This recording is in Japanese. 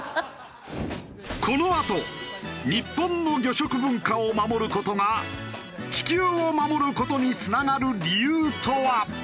このあと日本の魚食文化を守る事が地球を守る事につながる理由とは？